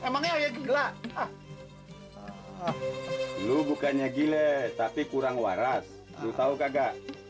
bapak apaan sih jerjang gini emangnya gila lu bukannya gile tapi kurang waras tahu kagak